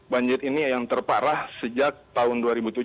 banjir ini yang terparah sejak tahun dua ribu tujuh belas